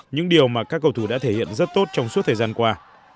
những điều mà các cầu thủ đã thể hiện rất tốt trong suốt thời gian qua